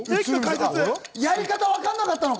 やり方はわかんなかったのか。